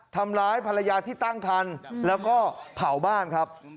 ทำร้ายภรรยาที่ตั้งคันแล้วก็เผาบ้านครับ